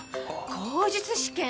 口述試験！